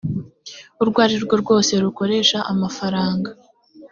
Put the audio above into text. urwo ari rwo rwose rukoresha amafaranga